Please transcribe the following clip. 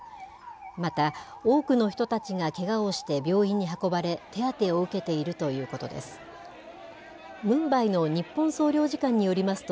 また、多くの人たちがけがをして病院に運ばれ、手当てを受けているということです。